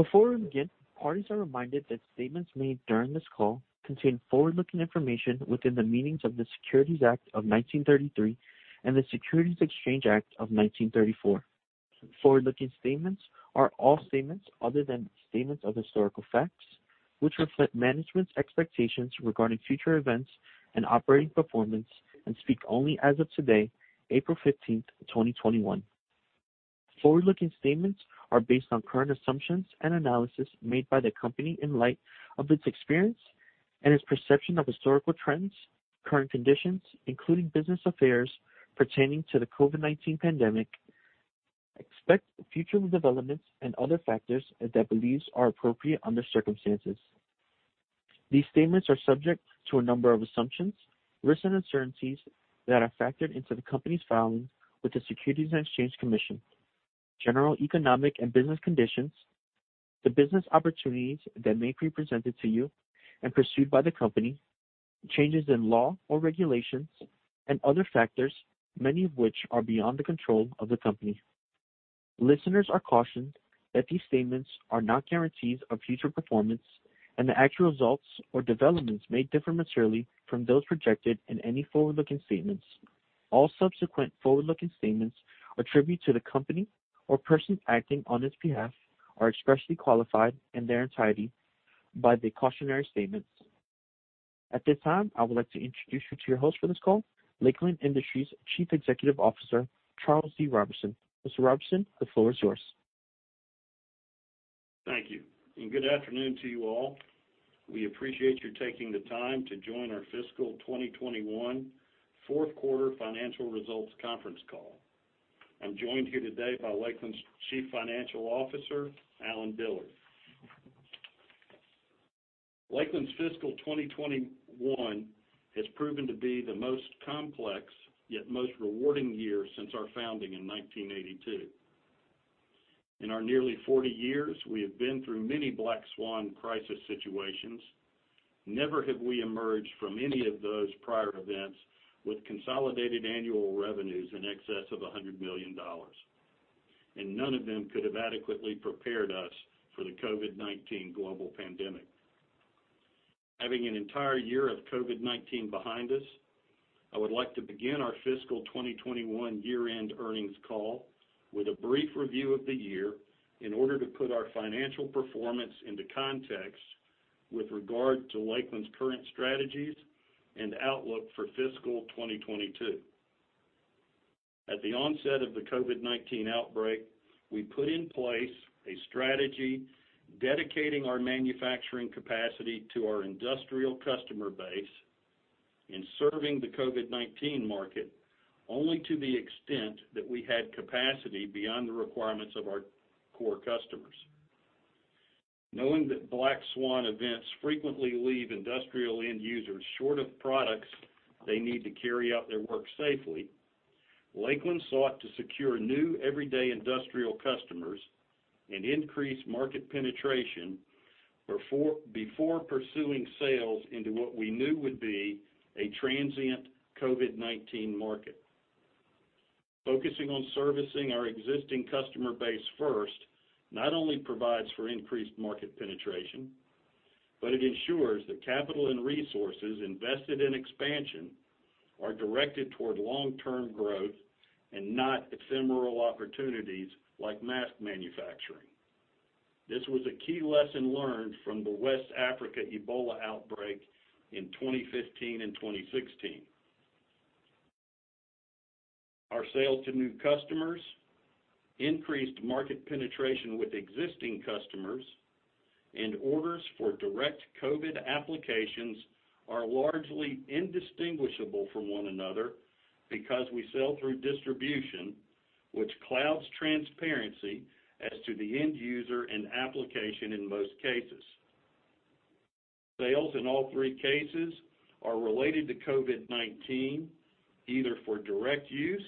Before we begin, parties are reminded that statements made during this call contain forward-looking information within the meanings of the Securities Act of 1933 and the Securities Exchange Act of 1934. Forward-looking statements are all statements other than statements of historical facts, which reflect management's expectations regarding future events and operating performance, and speak only as of today, April 15th, 2021. Forward-looking statements are based on current assumptions and analysis made by the company in light of its experience and its perception of historical trends, current conditions, including business affairs pertaining to the COVID-19 pandemic, expect future developments and other factors that it believes are appropriate under circumstances. These statements are subject to a number of assumptions, risks, and uncertainties that are factored into the company's filing with the Securities and Exchange Commission, general economic and business conditions, the business opportunities that may be presented to you and pursued by the company, changes in law or regulations, and other factors, many of which are beyond the control of the company. Listeners are cautioned that these statements are not guarantees of future performance, and that actual results or developments may differ materially from those projected in any forward-looking statements. All subsequent forward-looking statements or attribute to the company or persons acting on its behalf are expressly qualified in their entirety by the cautionary statements. At this time, I would like to introduce you to your host for this call, Lakeland Industries Chief Executive Officer, Charles D. Roberson. Mr. Roberson, the floor is yours. Thank you. Good afternoon to you all. We appreciate you taking the time to join our fiscal 2021 Q4 Financial Results Conference Call. I'm joined here today by Lakeland Industries' Chief Financial Officer, Allen Dillard. Lakeland Industries' fiscal 2021 has proven to be the most complex, yet most rewarding year since our founding in 1982. In our nearly 40 years, we have been through many black swan crisis situations. Never have we emerged from any of those prior events with consolidated annual revenues in excess of $100 million. None of them could have adequately prepared us for the COVID-19 global pandemic. Having an entire year of COVID-19 behind us, I would like to begin our fiscal 2021 Year-End Earnings Call with a brief review of the year in order to put our financial performance into context with regard to Lakeland Industries' current strategies and outlook for fiscal 2022. At the onset of the COVID-19 outbreak, we put in place a strategy dedicating our manufacturing capacity to our industrial customer base in serving the COVID-19 market, only to the extent that we had capacity beyond the requirements of our core customers. Knowing that black swan events frequently leave industrial end users short of products they need to carry out their work safely, Lakeland sought to secure new everyday industrial customers and increase market penetration before pursuing sales into what we knew would be a transient COVID-19 market. Focusing on servicing our existing customer base first not only provides for increased market penetration, but it ensures that capital and resources invested in expansion are directed toward long-term growth and not ephemeral opportunities like mask manufacturing. This was a key lesson learned from the West Africa Ebola outbreak in 2015 and 2016. Our sales to new customers, increased market penetration with existing customers, and orders for direct COVID applications are largely indistinguishable from one another because we sell through distribution, which clouds transparency as to the end user and application in most cases. Sales in all three cases are related to COVID-19, either for direct use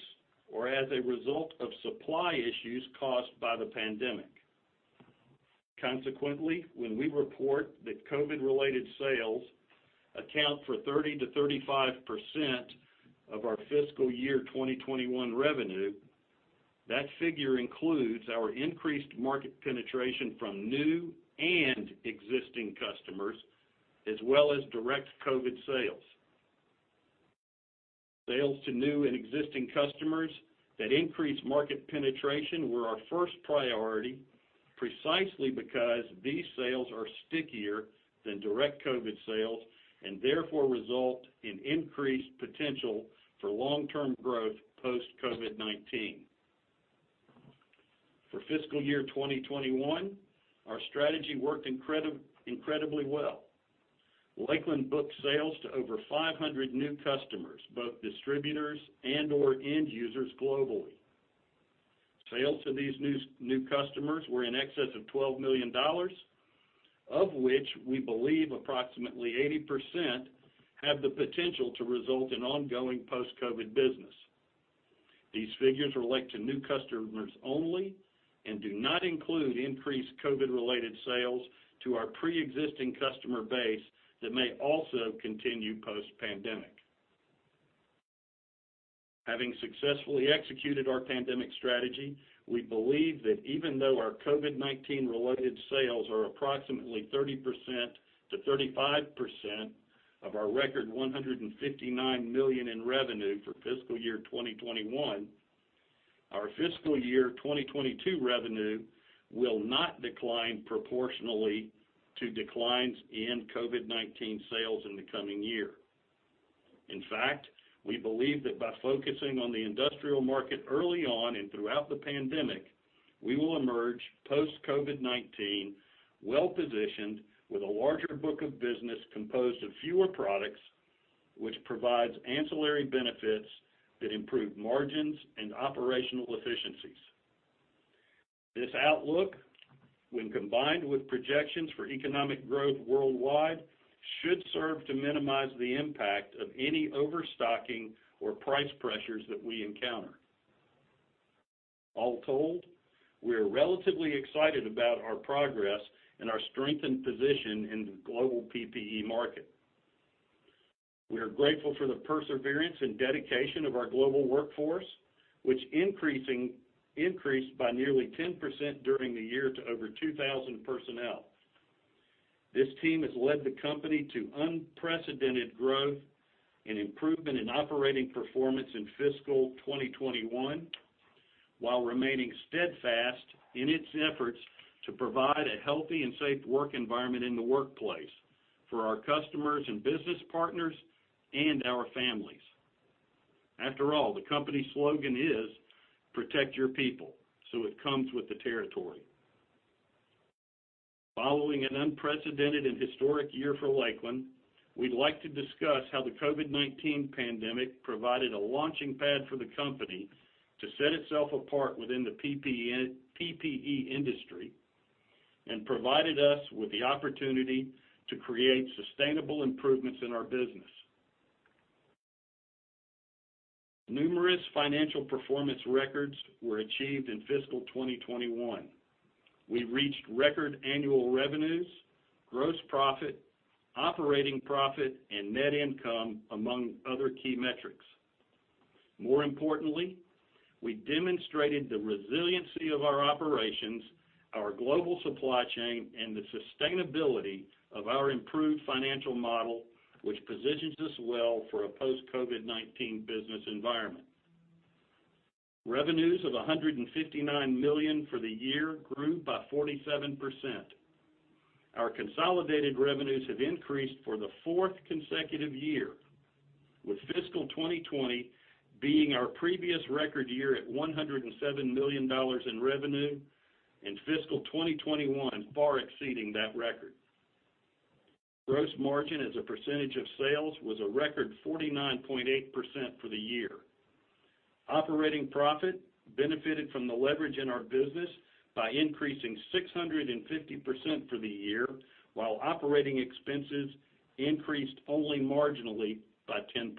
or as a result of supply issues caused by the pandemic. Consequently, when we report that COVID-related sales account for 30%-35% of our fiscal year 2021 revenue, that figure includes our increased market penetration from new and existing customers, as well as direct COVID sales. Sales to new and existing customers that increase market penetration were our first priority precisely because these sales are stickier than direct COVID sales, and therefore result in increased potential for long-term growth post-COVID-19. For fiscal year 2021, our strategy worked incredibly well. Lakeland booked sales to over 500 new customers, both distributors and/or end users globally. Sales to these new customers were in excess of $12 million, of which we believe approximately 80% have the potential to result in ongoing post-COVID business. These figures relate to new customers only and do not include increased COVID-related sales to our preexisting customer base that may also continue post-pandemic. Having successfully executed our pandemic strategy, we believe that even though our COVID-19 related sales are approximately 30%-35% of our record $159 million in revenue for fiscal year 2021, our fiscal year 2022 revenue will not decline proportionally to declines in COVID-19 sales in the coming year. In fact, we believe that by focusing on the industrial market early on and throughout the pandemic, we will emerge post-COVID-19 well-positioned with a larger book of business composed of fewer products, which provides ancillary benefits that improve margins and operational efficiencies. This outlook, when combined with projections for economic growth worldwide, should serve to minimize the impact of any overstocking or price pressures that we encounter. All told, we are relatively excited about our progress and our strengthened position in the global PPE market. We are grateful for the perseverance and dedication of our global workforce, which increased by nearly 10% during the year to over 2,000 personnel. This team has led the company to unprecedented growth and improvement in operating performance in fiscal 2021, while remaining steadfast in its efforts to provide a healthy and safe work environment in the workplace for our customers and business partners and our families. After all, the company slogan is, "Protect your people," so it comes with the territory. Following an unprecedented and historic year for Lakeland, we'd like to discuss how the COVID-19 pandemic provided a launching pad for the company to set itself apart within the PPE industry and provided us with the opportunity to create sustainable improvements in our business. Numerous financial performance records were achieved in fiscal 2021. We reached record annual revenues, gross profit, operating profit, and net income, among other key metrics. More importantly, we demonstrated the resiliency of our operations, our global supply chain, and the sustainability of our improved financial model, which positions us well for a post-COVID-19 business environment. Revenues of $159 million for the year grew by 47%. Our consolidated revenues have increased for the fourth consecutive year, with fiscal 2020 being our previous record year at $107 million in revenue, and fiscal 2021 far exceeding that record. Gross margin as a percentage of sales was a record 49.8% for the year. Operating profit benefited from the leverage in our business by increasing 650% for the year, while operating expenses increased only marginally by 10%.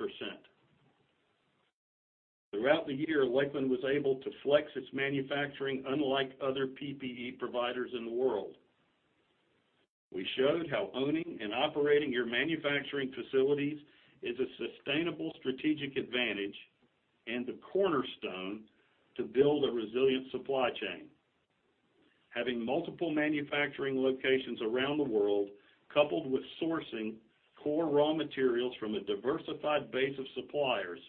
Throughout the year, Lakeland was able to flex its manufacturing unlike other PPE providers in the world. We showed how owning and operating your manufacturing facilities is a sustainable strategic advantage and the cornerstone to build a resilient supply chain. Having multiple manufacturing locations around the world, coupled with sourcing core raw materials from a diversified base of suppliers,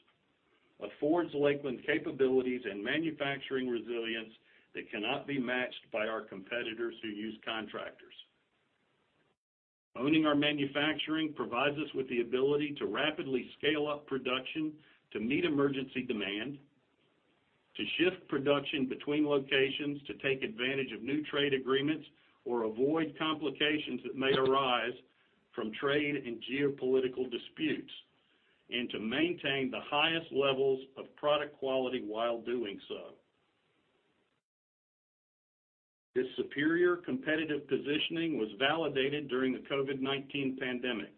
affords Lakeland capabilities and manufacturing resilience that cannot be matched by our competitors who use contractors. Owning our manufacturing provides us with the ability to rapidly scale up production to meet emergency demand, to shift production between locations to take advantage of new trade agreements or avoid complications that may arise from trade and geopolitical disputes, and to maintain the highest levels of product quality while doing so. This superior competitive positioning was validated during the COVID-19 pandemic.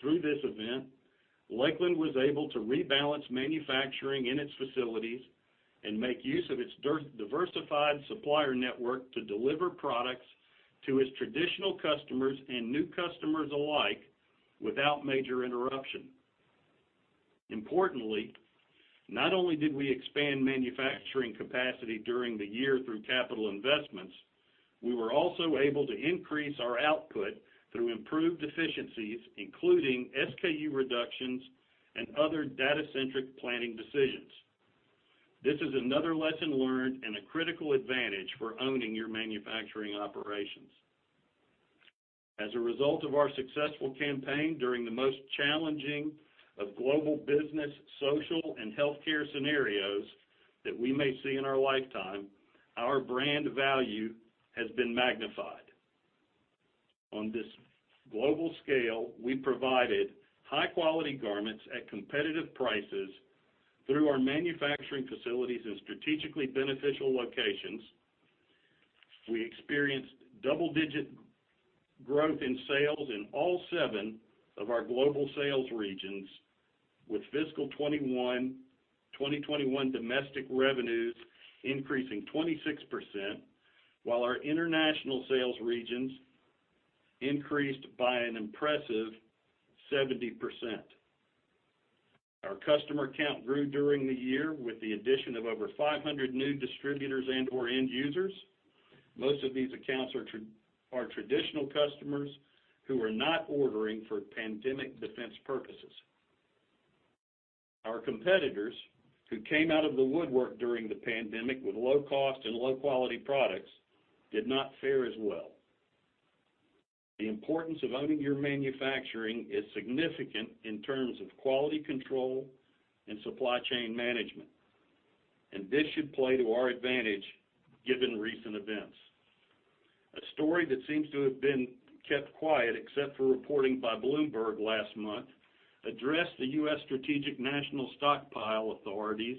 Through this event, Lakeland was able to rebalance manufacturing in its facilities and make use of its diversified supplier network to deliver products to its traditional customers and new customers alike without major interruption. Importantly, not only did we expand manufacturing capacity during the year through capital investments, we were also able to increase our output through improved efficiencies, including SKU reductions and other data-centric planning decisions. This is another lesson learned and a critical advantage for owning your manufacturing operations. As a result of our successful campaign during the most challenging of global business, social, and healthcare scenarios that we may see in our lifetime, our brand value has been magnified. On this global scale, we provided high-quality garments at competitive prices through our manufacturing facilities in strategically beneficial locations. We experienced double-digit growth in sales in all seven of our global sales regions, with fiscal 2021 domestic revenues increasing 26%, while our international sales regions increased by an impressive 70%. Our customer count grew during the year with the addition of over 500 new distributors and or end users. Most of these accounts are traditional customers who are not ordering for pandemic defense purposes. Our competitors, who came out of the woodwork during the pandemic with low cost and low quality products, did not fare as well. The importance of owning your manufacturing is significant in terms of quality control and supply chain management, and this should play to our advantage given recent events. A story that seems to have been kept quiet except for reporting by Bloomberg last month addressed the U.S. Strategic National Stockpile Authority's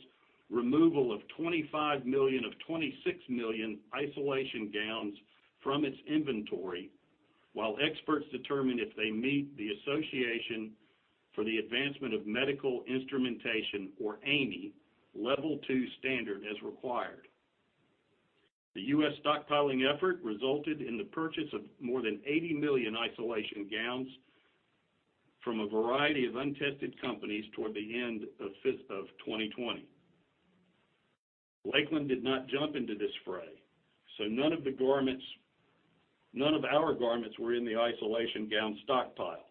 removal of 25 million of 26 million isolation gowns from its inventory, while experts determine if they meet the Association for the Advancement of Medical Instrumentation, or AAMI, level 2 standard, as required. The U.S. stockpiling effort resulted in the purchase of more than 80 million isolation gowns from a variety of untested companies toward the end of 2020. Lakeland did not jump into this fray, so none of our garments were in the isolation gown stockpile.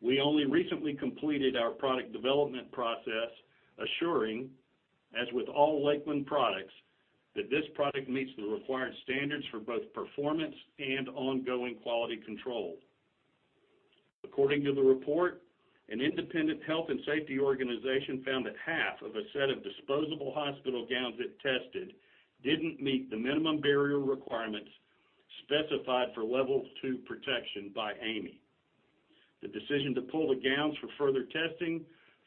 We only recently completed our product development process, assuring, as with all Lakeland products, that this product meets the required standards for both performance and ongoing quality control. According to the report, an independent health and safety organization found that half of a set of disposable hospital gowns it tested didn't meet the minimum barrier requirements specified for level 2 protection by AAMI. The decision to pull the gowns for further testing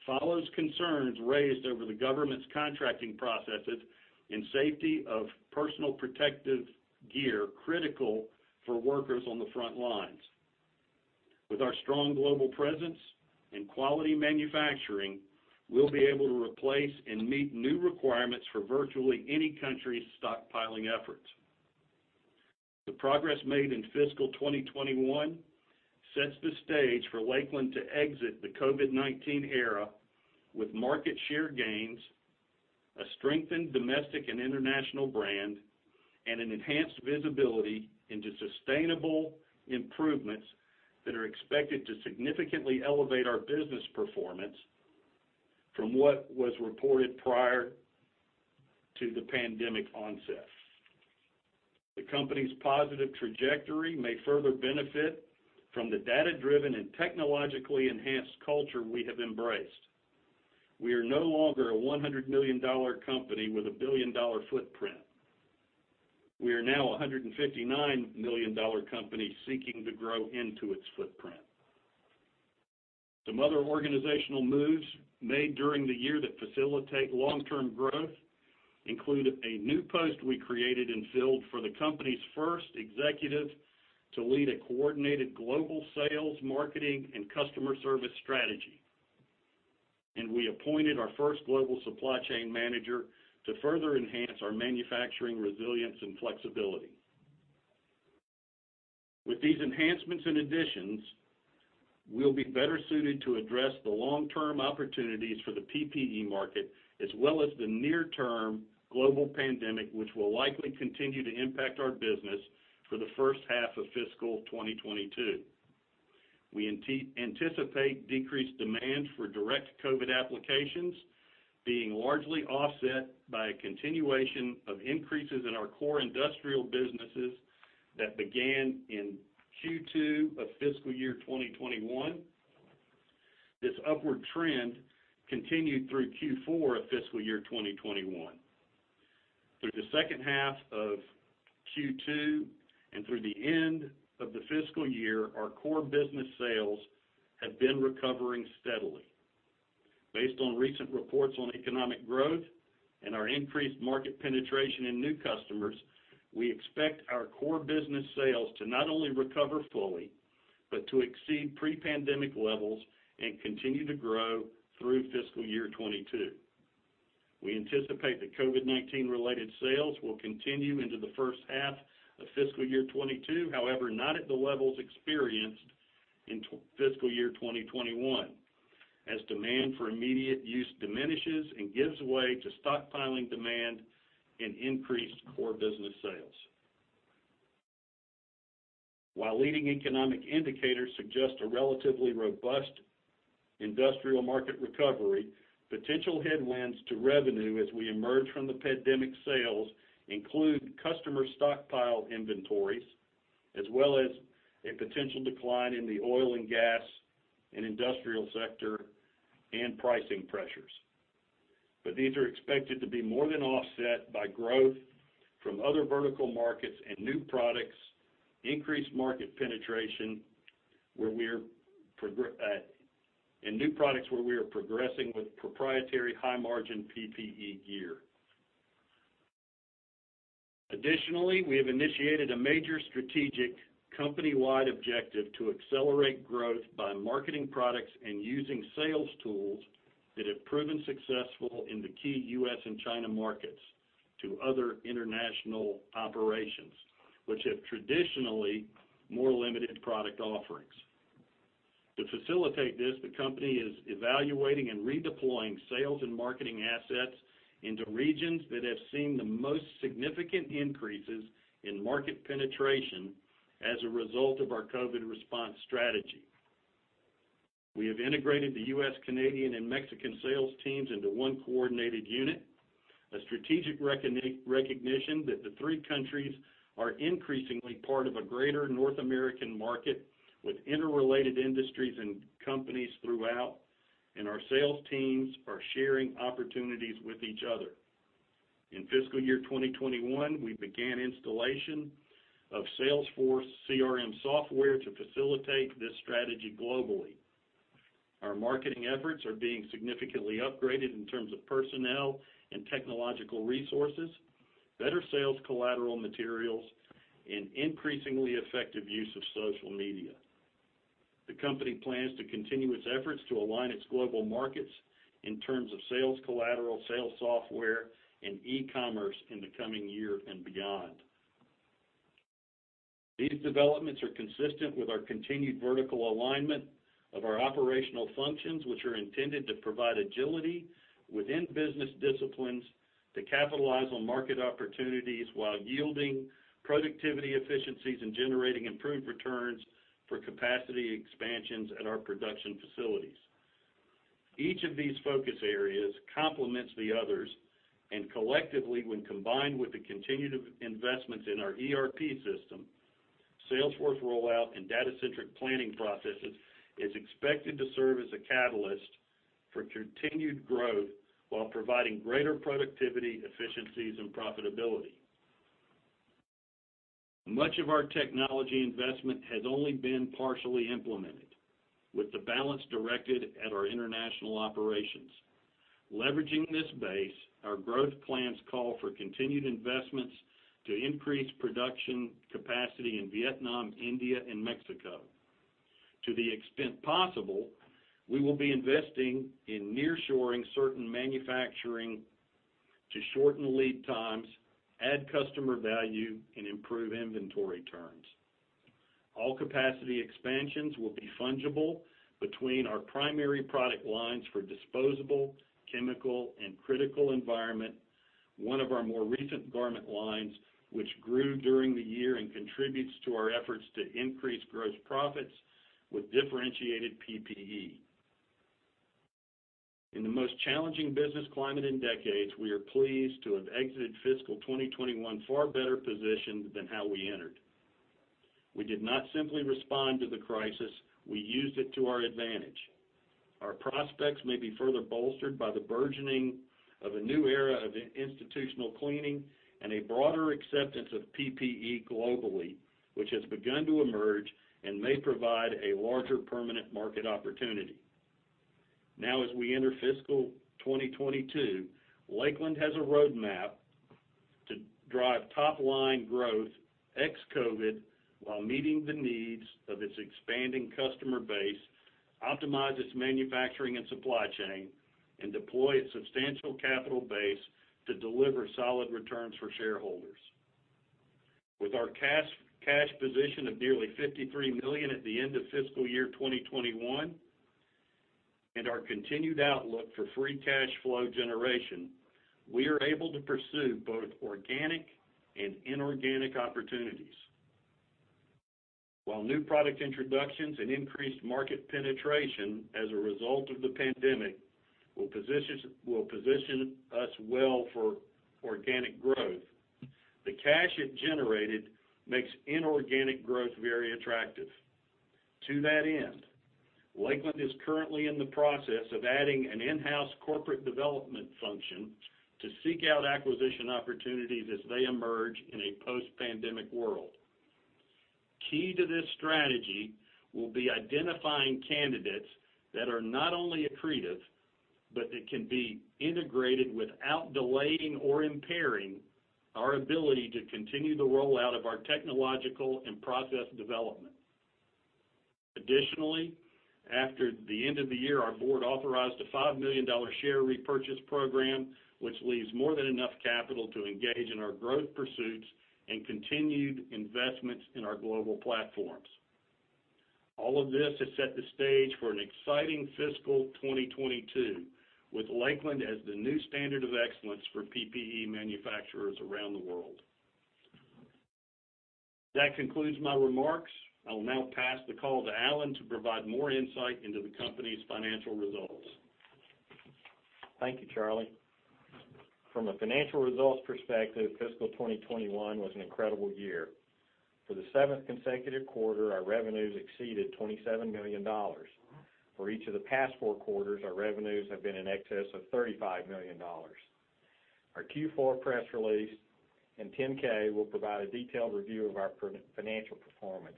follows concerns raised over the government's contracting processes and safety of personal protective gear critical for workers on the front lines. With our strong global presence and quality manufacturing, we'll be able to replace and meet new requirements for virtually any country's stockpiling efforts. The progress made in fiscal 2021 sets the stage for Lakeland to exit the COVID-19 era with market share gains, a strengthened domestic and international brand, and an enhanced visibility into sustainable improvements that are expected to significantly elevate our business performance from what was reported prior to the pandemic onset. The company's positive trajectory may further benefit from the data-driven and technologically enhanced culture we have embraced. We are no longer a $100 million company with a billion-dollar footprint. We are now $159 million company seeking to grow into its footprint. Some other organizational moves made during the year that facilitate long-term growth include a new post we created and filled for the company's first executive to lead a coordinated global sales, marketing, and customer service strategy, and we appointed our first global supply chain manager to further enhance our manufacturing resilience and flexibility. With these enhancements and additions, we'll be better suited to address the long-term opportunities for the PPE market, as well as the near-term global pandemic, which will likely continue to impact our business for the H1 of fiscal 2022. We anticipate decreased demand for direct COVID applications being largely offset by a continuation of increases in our core industrial businesses that began in Q2 of fiscal year 2021. This upward trend continued through Q4 of fiscal year 2021. Through the H2 of Q2 and through the end of the fiscal year, our core business sales have been recovering steadily. Based on recent reports on economic growth and our increased market penetration in new customers, we expect our core business sales to not only recover fully, but to exceed pre-pandemic levels and continue to grow through fiscal year 2022. We anticipate that COVID-19 related sales will continue into the H1 of fiscal year 2022. However, not at the levels experienced in fiscal year 2021, as demand for immediate use diminishes and gives way to stockpiling demand and increased core business sales. While leading economic indicators suggest a relatively robust industrial market recovery, potential headwinds to revenue as we emerge from the pandemic sales include customer stockpile inventories, as well as a potential decline in the oil and gas and industrial sector, and pricing pressures. These are expected to be more than offset by growth from other vertical markets and new products where we are progressing with proprietary high margin PPE gear. Additionally, we have initiated a major strategic company-wide objective to accelerate growth by marketing products and using sales tools that have proven successful in the key U.S. and China markets. To other international operations, which have traditionally more limited product offerings. To facilitate this, the company is evaluating and redeploying sales and marketing assets into regions that have seen the most significant increases in market penetration as a result of our COVID-19 response strategy. We have integrated the U.S., Canadian, and Mexican sales teams into one coordinated unit, a strategic recognition that the three countries are increasingly part of a greater North American market with interrelated industries and companies throughout, and our sales teams are sharing opportunities with each other. In fiscal year 2021, we began installation of Salesforce CRM software to facilitate this strategy globally. Our marketing efforts are being significantly upgraded in terms of personnel and technological resources, better sales collateral materials, and increasingly effective use of social media. The company plans to continue its efforts to align its global markets in terms of sales collateral, sales software, and e-commerce in the coming year and beyond. These developments are consistent with our continued vertical alignment of our operational functions, which are intended to provide agility within business disciplines to capitalize on market opportunities while yielding productivity efficiencies and generating improved returns for capacity expansions at our production facilities. Each of these focus areas complements the others, and collectively, when combined with the continued investments in our ERP system, Salesforce rollout, and data centric planning processes, is expected to serve as a catalyst for continued growth while providing greater productivity efficiencies and profitability. Much of our technology investment has only been partially implemented, with the balance directed at our international operations. Leveraging this base, our growth plans call for continued investments to increase production capacity in Vietnam, India, and Mexico. To the extent possible, we will be investing in nearshoring certain manufacturing to shorten lead times, add customer value, and improve inventory turns. All capacity expansions will be fungible between our primary product lines for disposable, chemical, and Critical Environment, one of our more recent garment lines, which grew during the year and contributes to our efforts to increase gross profits with differentiated PPE. In the most challenging business climate in decades, we are pleased to have exited fiscal 2021 far better positioned than how we entered. We did not simply respond to the crisis, we used it to our advantage. Our prospects may be further bolstered by the burgeoning of a new era of institutional cleaning and a broader acceptance of PPE globally, which has begun to emerge and may provide a larger permanent market opportunity. Now, as we enter fiscal 2022, Lakeland has a roadmap to drive top-line growth ex-COVID while meeting the needs of its expanding customer base, optimize its manufacturing and supply chain, and deploy its substantial capital base to deliver solid returns for shareholders. With our cash position of nearly $53 million at the end of fiscal year 2021, and our continued outlook for free cash flow generation, we are able to pursue both organic and inorganic opportunities. While new product introductions and increased market penetration as a result of the pandemic will position us well for organic growth, the cash it generated makes inorganic growth very attractive. To that end, Lakeland is currently in the process of adding an in-house corporate development function to seek out acquisition opportunities as they emerge in a post-pandemic world. Key to this strategy will be identifying candidates that are not only accretive, but that can be integrated without delaying or impairing our ability to continue the rollout of our technological and process development. Additionally, after the end of the year, our board authorized a $5 million share repurchase program, which leaves more than enough capital to engage in our growth pursuits and continued investments in our global platforms. All of this has set the stage for an exciting fiscal 2022 with Lakeland as the new standard of excellence for PPE manufacturers around the world. That concludes my remarks. I will now pass the call to Allen to provide more insight into the company's financial results. Thank you, Charlie. From a financial results perspective, fiscal 2021 was an incredible year. For the seventh consecutive quarter, our revenues exceeded $27 million. For each of the past four quarters, our revenues have been in excess of $35 million. Our Q4 press release and 10-K will provide a detailed review of our financial performance.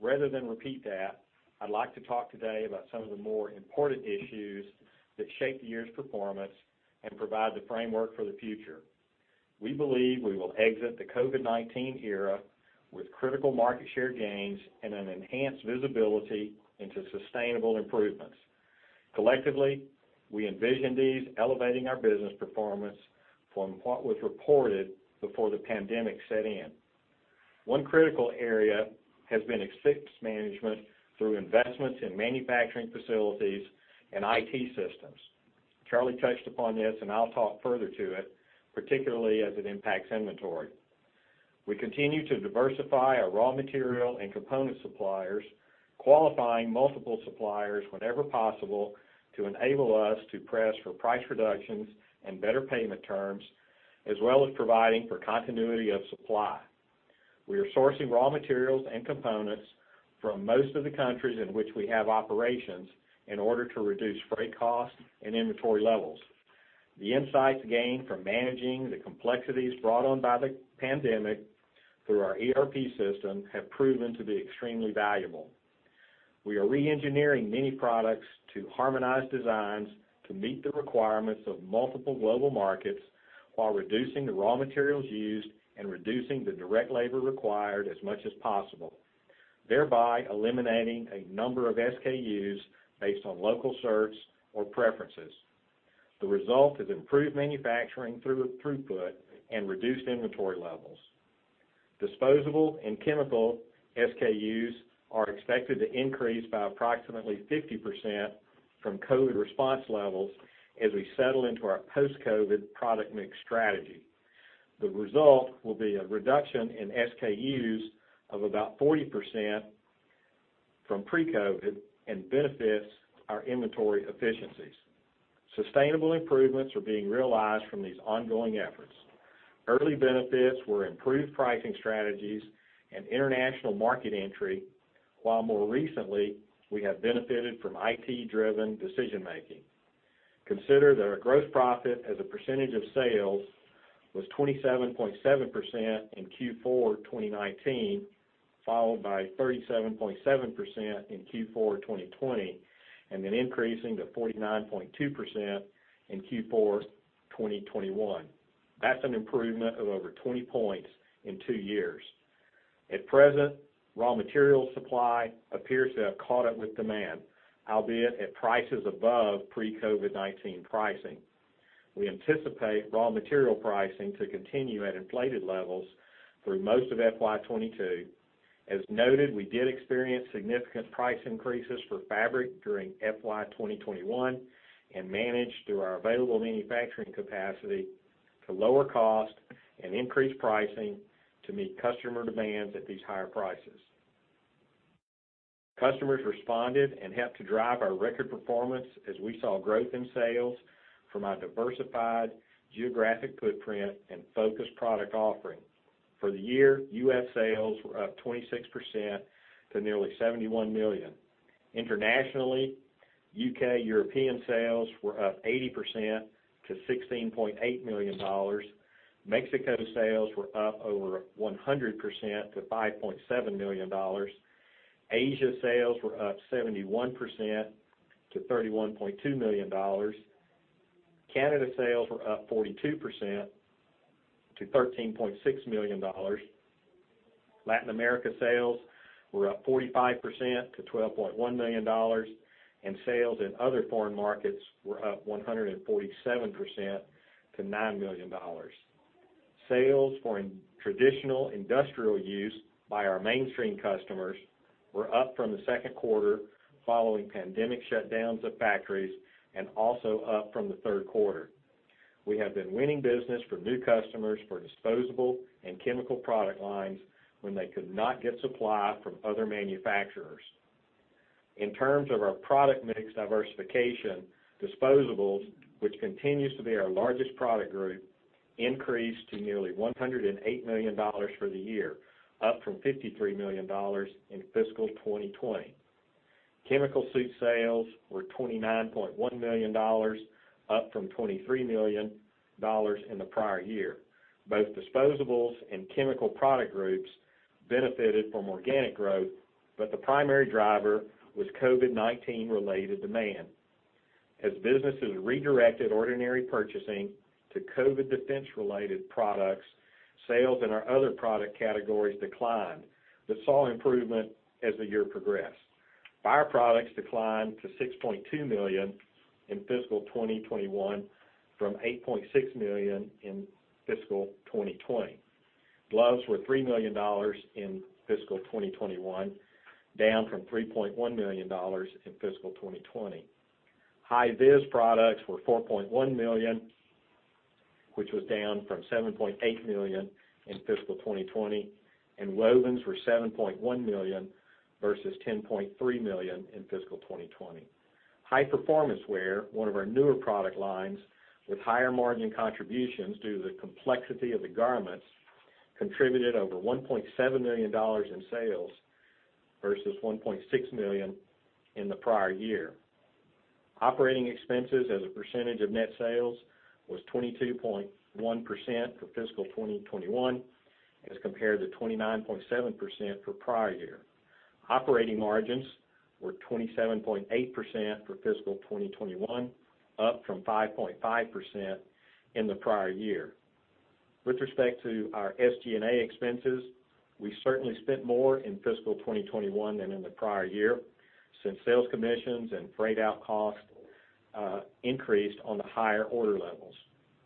Rather than repeat that, I'd like to talk today about some of the more important issues that shaped the year's performance and provide the framework for the future. We believe we will exit the COVID-19 era with critical market share gains and an enhanced visibility into sustainable improvements. Collectively, we envision these elevating our business performance from what was reported before the pandemic set in. One critical area has been expense management through investments in manufacturing facilities and IT systems. Charlie touched upon this and I'll talk further to it, particularly as it impacts inventory. We continue to diversify our raw material and component suppliers, qualifying multiple suppliers whenever possible to enable us to press for price reductions and better payment terms, as well as providing for continuity of supply. We are sourcing raw materials and components from most of the countries in which we have operations in order to reduce freight costs and inventory levels. The insights gained from managing the complexities brought on by the pandemic through our ERP system have proven to be extremely valuable. We are re-engineering many products to harmonize designs to meet the requirements of multiple global markets while reducing the raw materials used and reducing the direct labor required as much as possible, thereby eliminating a number of SKUs based on local certs or preferences. The result is improved manufacturing throughput and reduced inventory levels. Disposable and chemical SKUs are expected to increase by approximately 50% from COVID response levels as we settle into our post-COVID product mix strategy. The result will be a reduction in SKUs of about 40% from pre-COVID and benefits our inventory efficiencies. Sustainable improvements are being realized from these ongoing efforts. Early benefits were improved pricing strategies and international market entry, while more recently, we have benefited from IT-driven decision making. Consider that our gross profit as a percentage of sales was 27.7% in Q4 2019, followed by 37.7% in Q4 2020, and then increasing to 49.2% in Q4 2021. That's an improvement of over 20 points in two years. At present, raw material supply appears to have caught up with demand, albeit at prices above pre-COVID-19 pricing. We anticipate raw material pricing to continue at inflated levels through most of FY 2022. As noted, we did experience significant price increases for fabric during FY 2021 and managed through our available manufacturing capacity to lower cost and increase pricing to meet customer demands at these higher prices. Customers responded and helped to drive our record performance as we saw growth in sales from our diversified geographic footprint and focused product offering. For the year, U.S. sales were up 26% to nearly $71 million. Internationally, U.K., European sales were up 80% to $16.8 million. Mexico sales were up over 100% to $5.7 million. Asia sales were up 71% to $31.2 million. Canada sales were up 42% to $13.6 million. Latin America sales were up 45% to $12.1 million. Sales in other foreign markets were up 147% to $9 million. Sales for traditional industrial use by our mainstream customers were up from the Q2, following pandemic shutdowns of factories, and also up from the Q3. We have been winning business from new customers for disposable and chemical product lines when they could not get supply from other manufacturers. In terms of our product mix diversification, disposables, which continues to be our largest product group, increased to nearly $108 million for the year, up from $53 million in fiscal 2020. Chemical suit sales were $29.1 million, up from $23 million in the prior year. Both disposables and chemical product groups benefited from organic growth, but the primary driver was COVID-19 related demand. As businesses redirected ordinary purchasing to COVID defense related products, sales in our other product categories declined but saw improvement as the year progressed. Fire products declined to $6.2 million in fiscal 2021 from $8.6 million in fiscal 2020. Gloves were $3 million in fiscal 2021, down from $3.1 million in fiscal 2020. High-vis products were $4.1 million, which was down from $7.8 million in fiscal 2020, and wovens were $7.1 million versus $10.3 million in fiscal 2020. High-performance wear, one of our newer product lines with higher margin contributions due to the complexity of the garments, contributed over $1.7 million in sales versus $1.6 million in the prior year. Operating expenses as a percentage of net sales was 22.1% for fiscal 2021 as compared to 29.7% for prior year. Operating margins were 27.8% for fiscal 2021, up from 5.5% in the prior year. With respect to our SG&A expenses, we certainly spent more in fiscal 2021 than in the prior year since sales commissions and freight-out costs increased on the higher order levels.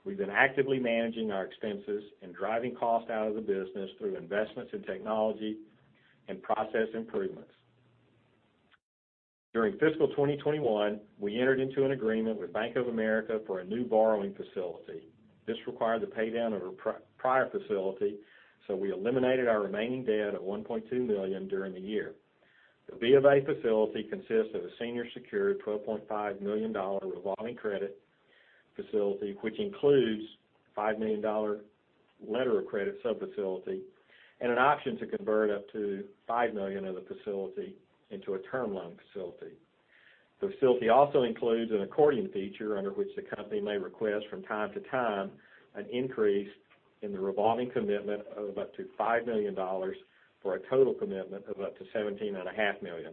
We've been actively managing our expenses and driving costs out of the business through investments in technology and process improvements. During fiscal 2021, we entered into an agreement with Bank of America for a new borrowing facility. This required the pay-down of our prior facility, so we eliminated our remaining debt of $1.2 million during the year. The BofA facility consists of a senior secured $12.5 million revolving credit facility, which includes a $5 million letter of credit sub-facility, and an option to convert up to $5 million of the facility into a term loan facility. The facility also includes an accordion feature under which the company may request from time to time an increase in the revolving commitment of up to $5 million for a total commitment of up to $17.5 million.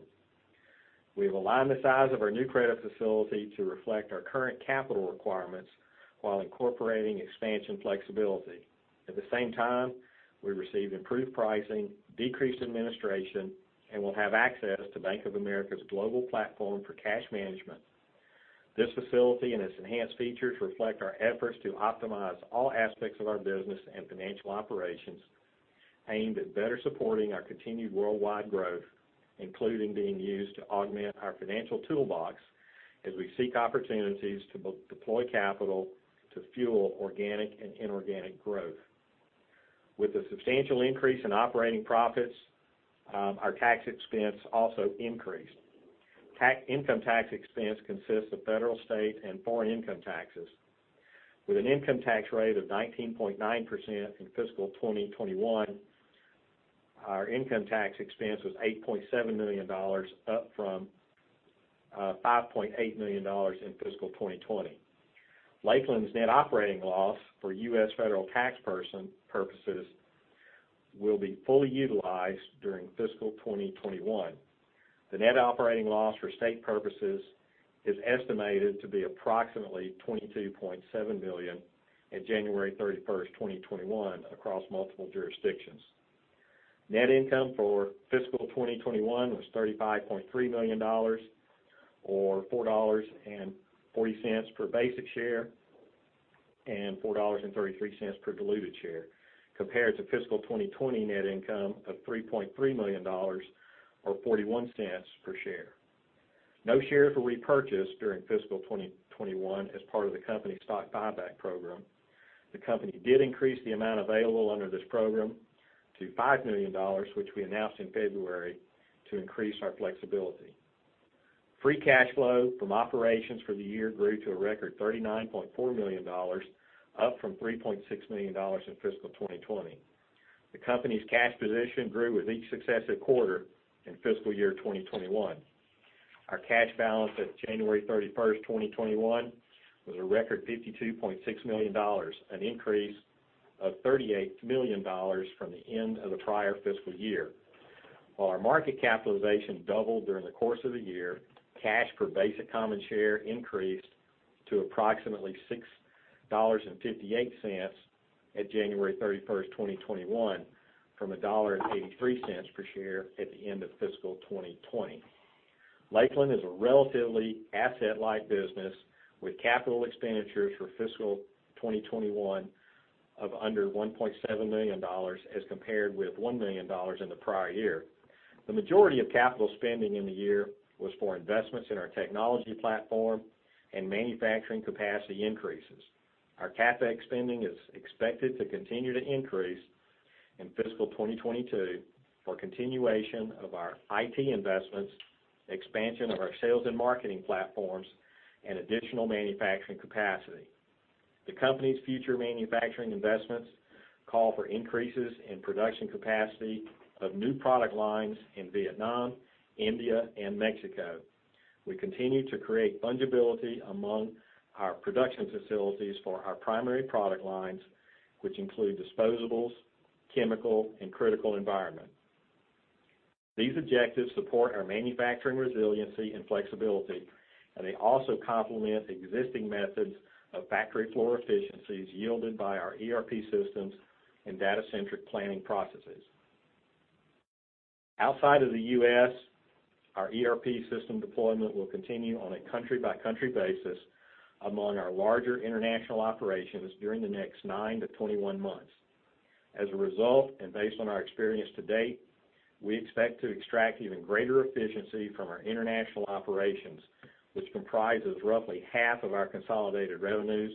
We've aligned the size of our new credit facility to reflect our current capital requirements while incorporating expansion flexibility. At the same time, we received improved pricing, decreased administration, and will have access to Bank of America's global platform for cash management. This facility and its enhanced features reflect our efforts to optimize all aspects of our business and financial operations aimed at better supporting our continued worldwide growth, including being used to augment our financial toolbox as we seek opportunities to deploy capital to fuel organic and inorganic growth. With a substantial increase in operating profits, our tax expense also increased. Income tax expense consists of federal, state, and foreign income taxes. With an income tax rate of 19.9% in fiscal 2021, our income tax expense was $8.7 million, up from $5.8 million in fiscal 2020. Lakeland's net operating loss for U.S. federal tax purposes will be fully utilized during fiscal 2021. The net operating loss for state purposes is estimated to be approximately $22.7 million at January 31st, 2021, across multiple jurisdictions. Net income for fiscal 2021 was $35.3 million, or $4.40 per basic share and $4.33 per diluted share, compared to fiscal 2020 net income of $3.3 million or $0.41 per share. No shares were repurchased during fiscal 2021 as part of the company's stock buyback program. The company did increase the amount available under this program to $5 million, which we announced in February to increase our flexibility. Free cash flow from operations for the year grew to a record $39.4 million, up from $3.6 million in fiscal 2020. The company's cash position grew with each successive quarter in fiscal year 2021. Our cash balance at January 31st, 2021, was a record $52.6 million, an increase of $38 million from the end of the prior fiscal year. While our market capitalization doubled during the course of the year, cash per basic common share increased to approximately $6.58 at January 31st, 2021, from $1.83 per share at the end of fiscal 2020. Lakeland is a relatively asset-light business with capital expenditures for fiscal 2021 of under $1.7 million as compared with $1 million in the prior year. The majority of capital spending in the year was for investments in our technology platform and manufacturing capacity increases. Our CapEx spending is expected to continue to increase in fiscal 2022 for continuation of our IT investments, expansion of our sales and marketing platforms, and additional manufacturing capacity. The company's future manufacturing investments call for increases in production capacity of new product lines in Vietnam, India, and Mexico. We continue to create fungibility among our production facilities for our primary product lines, which include disposables, chemical, and critical environment. These objectives support our manufacturing resiliency and flexibility, and they also complement existing methods of factory floor efficiencies yielded by our ERP systems and data-centric planning processes. Outside of the U.S., our ERP system deployment will continue on a country-by-country basis among our larger international operations during the next nine to 21 months. As a result, and based on our experience to date, we expect to extract even greater efficiency from our international operations, which comprises roughly half of our consolidated revenues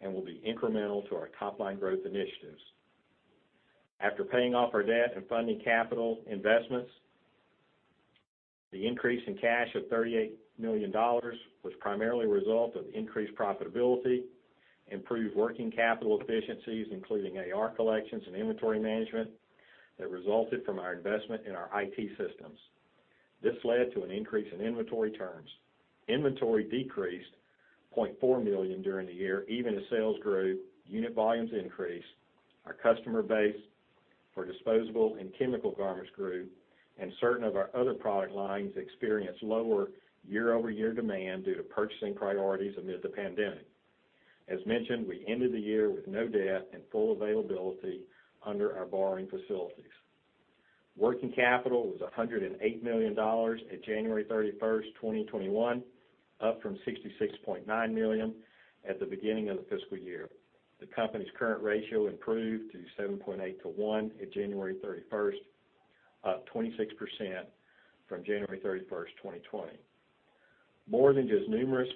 and will be incremental to our top-line growth initiatives. After paying off our debt and funding capital investments, the increase in cash of $38 million was primarily a result of increased profitability, improved working capital efficiencies, including AR collections and inventory management that resulted from our investment in our IT systems. This led to an increase in inventory turns. Inventory decreased $0.4 million during the year, even as sales grew, unit volumes increased, our customer base for disposable and chemical garments group, and certain of our other product lines experienced lower year-over-year demand due to purchasing priorities amid the pandemic. As mentioned, we ended the year with no debt and full availability under our borrowing facilities. Working capital was $108 million at January 31st, 2021, up from $66.9 million at the beginning of the fiscal year. The company's current ratio improved to 7.8:1 at January 31st, up 26% from January 31st, 2020. More than just numerous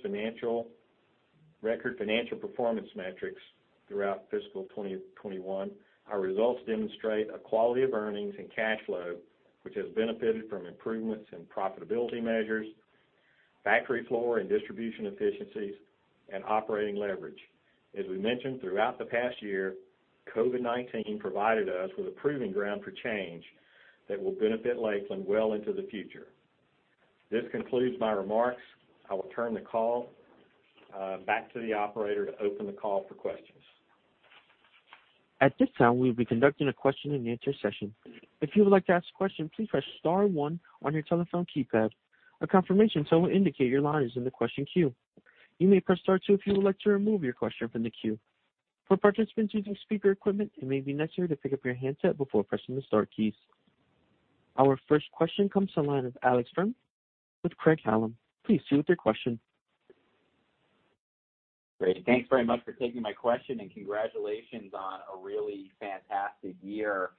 record financial performance metrics throughout fiscal 2021, our results demonstrate a quality of earnings and cash flow, which has benefited from improvements in profitability measures, factory floor and distribution efficiencies, and operating leverage. As we mentioned throughout the past year, COVID-19 provided us with a proving ground for change that will benefit Lakeland well into the future. This concludes my remarks. I will turn the call back to the operator to open the call for questions. At this time, we will be conducting a question-and-answer session. If you would like to ask a question, please press star one on your telephone keypad. A confirmation tone will indicate your line is in the question queue. You may press star two if you would like to remove your question from the queue. For participants using speaker equipment, it may be necessary to pick up your handset before pressing the star keys. Our first question comes to the line of Alex Fuhrman with Craig-Hallum. Please proceed with your question. Great. Thanks very much for taking my question, and congratulations on a really fantastic year.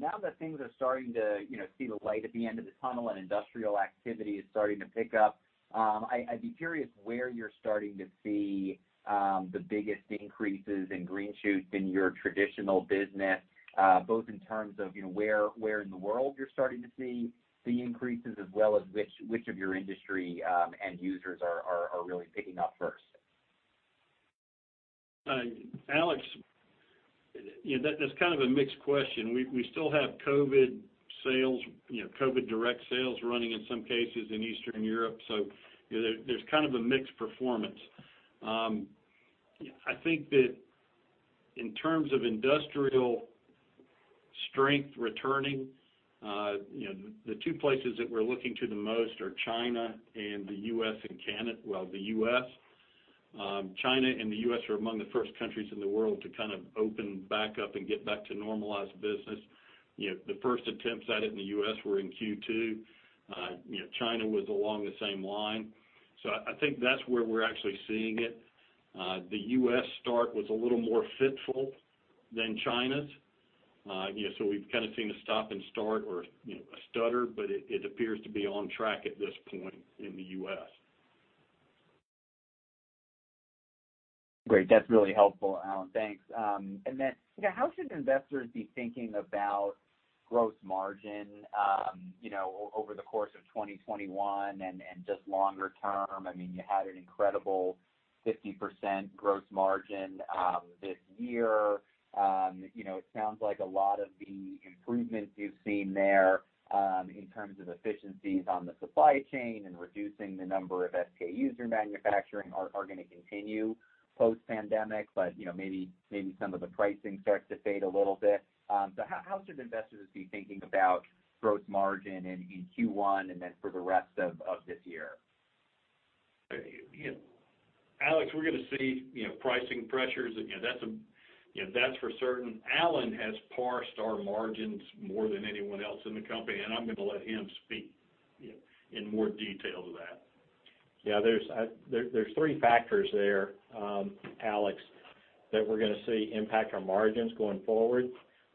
Now that things are starting to see the light at the end of the tunnel, and industrial activity is starting to pick up, I'd be curious where you're starting to see the biggest increases in green shoots in your traditional business. Both in terms of where in the world you're starting to see the increases, as well as which of your industry end users are really picking up first. Alex, that's kind of a mixed question. We still have COVID direct sales running in some cases in Eastern Europe, so there's kind of a mixed performance. I think that in terms of industrial strength returning, the two places that we're looking to the most are China and the U.S. China and the U.S. are among the first countries in the world to kind of open back up and get back to normalized business. The first attempts at it in the U.S. were in Q2. China was along the same line. I think that's where we're actually seeing it. The U.S. start was a little more fitful than China's. We've kind of seen a stop and start or a stutter, but it appears to be on track at this point in the U.S. Great. That's really helpful, Allen. Thanks. How should investors be thinking about gross margin over the course of 2021 and just longer term? You had an incredible 50% gross margin this year. It sounds like a lot of the improvements you've seen there, in terms of efficiencies on the supply chain and reducing the number of SKUs you're manufacturing, are going to continue post-pandemic, but maybe some of the pricing starts to fade a little bit. How should investors be thinking about gross margin in Q1 and then for the rest of this year? Alex, we're going to see pricing pressures, that's for certain. Allen has parsed our margins more than anyone else in the company, and I'm going to let him speak in more detail to that. Yeah. There's three factors there, Alex, that we're going to see impact our margins going forward.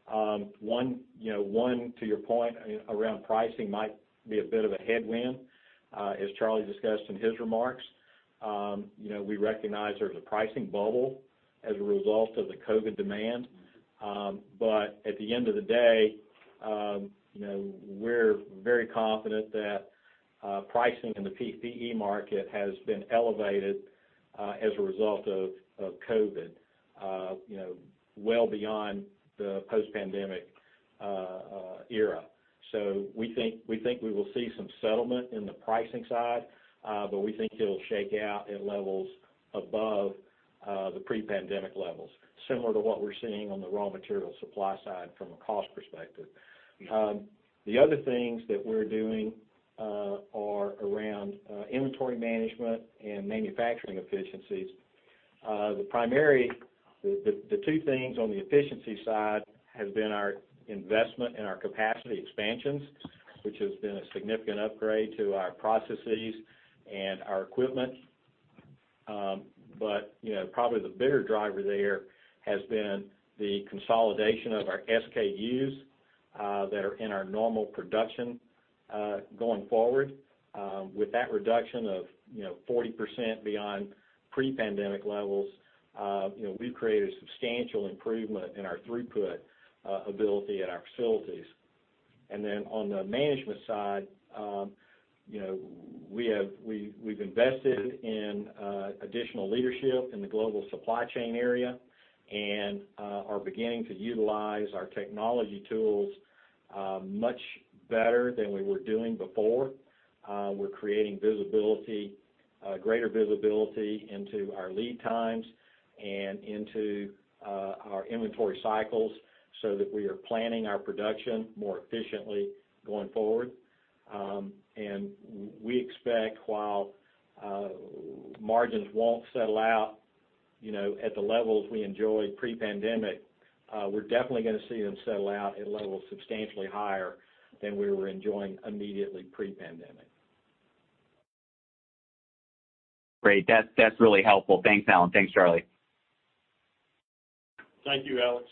One, to your point around pricing might be a bit of a headwind. As Charles discussed in his remarks, we recognize there's a pricing bubble as a result of the COVID demand. At the end of the day, we're very confident that pricing in the PPE market has been elevated as a result of COVID well beyond the post-pandemic era. We think we will see some settlement in the pricing side, but we think it'll shake out at levels above the pre-pandemic levels. Similar to what we're seeing on the raw material supply side from a cost perspective. The other things that we're doing are around inventory management and manufacturing efficiencies. The two things on the efficiency side have been our investment in our capacity expansions, which has been a significant upgrade to our processes and our equipment. Probably the bigger driver there has been the consolidation of our SKUs that are in our normal production going forward. With that reduction of 40% beyond pre-pandemic levels, we've created a substantial improvement in our throughput ability at our facilities. On the management side, we've invested in additional leadership in the global supply chain area and are beginning to utilize our technology tools much better than we were doing before. We're creating greater visibility into our lead times and into our inventory cycles so that we are planning our production more efficiently going forward. We expect while margins won't settle out at the levels we enjoyed pre-pandemic, we're definitely going to see them settle out at levels substantially higher than we were enjoying immediately pre-pandemic. Great. That's really helpful. Thanks, Allen. Thanks, Charlie. Thank you, Alex.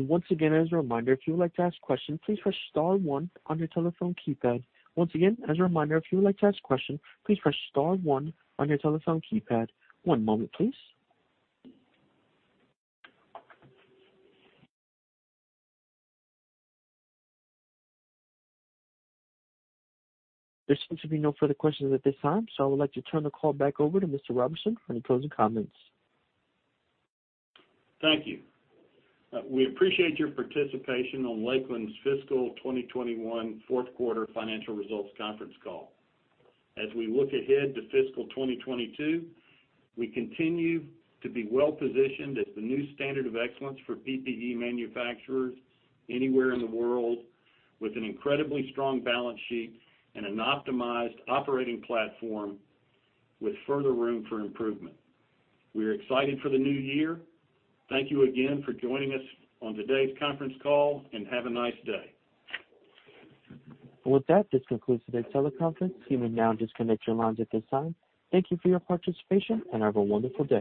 Once again, as a reminder, if you would like to ask questions, please press star one on your telephone keypad. Once again, as a reminder, if you would like to ask questions, please press star one on your telephone keypad. One moment, please. There seems to be no further questions at this time, I would like to turn the call back over to Mr. Roberson for any closing comments. Thank you. We appreciate your participation on Lakeland's fiscal 2021 Q4 Financial Results Conference Call. As we look ahead to fiscal 2022, we continue to be well-positioned as the new standard of excellence for PPE manufacturers anywhere in the world, with an incredibly strong balance sheet and an optimized operating platform with further room for improvement. We are excited for the new year. Thank you again for joining us on today's conference call, and have a nice day. With that, this concludes today's teleconference. You may now disconnect your lines at this time. Thank you for your participation, and have a wonderful day.